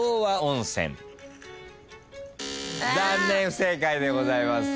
残念不正解でございます。